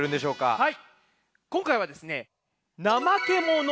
はい。